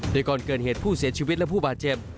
โดยก่อนเกิดเหตุผู้เสียชีวิตและผู้บาดเจ็บ